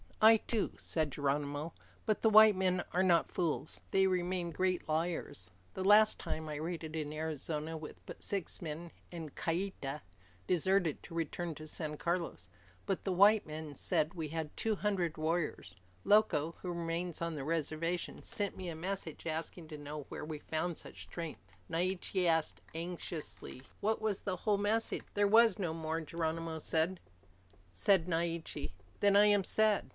"I too," said Geronimo, "but the white men are not fools. They remain great liars. The last time, I raided in Arizona with but six men, and Kieta deserted to return to San Carlos. But the white men said we had two hundred warriors. Loco, who remains on the reservation, sent me a messenger, asking to know where we found such strength." Naiche asked anxiously, "Was that the whole message?" "There was no more," Geronimo said. Said Naiche, "Then I am sad.